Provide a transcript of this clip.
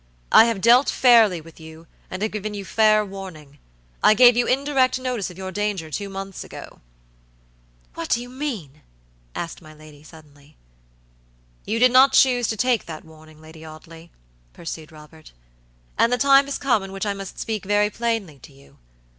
I have dealt fairly with you, and have given you fair warning. I gave you indirect notice of your danger two months ago." "What do you mean?" asked my lady, suddenly. "You did not choose to take that warning, Lady Audley," pursued Robert, "and the time has come in which I must speak very plainly to you.